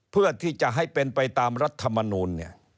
เพื่อที่จะให้เป็นไปตามรัฐมนูล